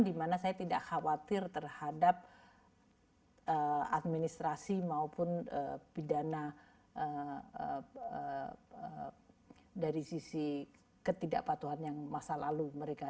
dimana saya tidak khawatir terhadap administrasi maupun pidana dari sisi ketidakpatuhan yang masa lalu mereka